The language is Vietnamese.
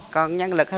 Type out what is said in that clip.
còn nhân lực thì